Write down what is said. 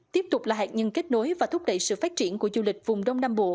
tiếp tục là hạt nhân kết nối và thúc đẩy sự phát triển của du lịch vùng đông nam bộ